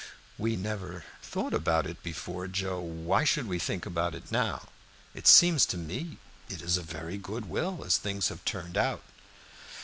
"We never thought about it before, Joe. Why should we think about it now? It seems to me it is a very good will as things have turned out."